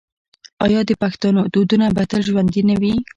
آیا د پښتنو دودونه به تل ژوندي نه وي؟